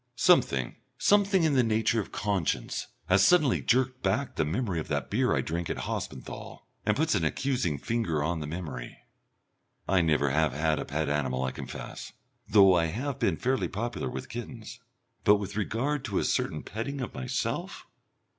Something something of the nature of conscience has suddenly jerked back the memory of that beer I drank at Hospenthal, and puts an accusing finger on the memory. I never have had a pet animal, I confess, though I have been fairly popular with kittens. But with regard to a certain petting of myself